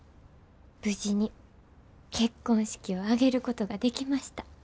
無事に結婚式を挙げることができました。